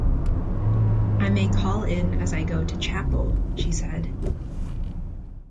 “I may call in as I go to chapel,” she said.